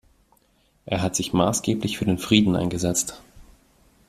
Er hat sich maßgeblich für den Frieden eingesetzt.